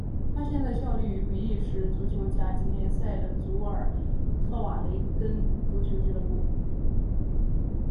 他现在效力于比利时足球甲级联赛的祖尔特瓦雷根足球俱乐部。